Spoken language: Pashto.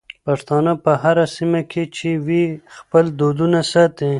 پښتانه په هره سيمه کې چې وي خپل دودونه ساتي.